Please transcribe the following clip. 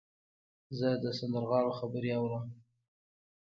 زه د سندرغاړو خبرې اورم.